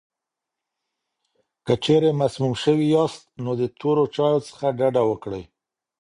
که چېرې مسموم شوي یاست، نو د تورو چایو څخه ډډه وکړئ.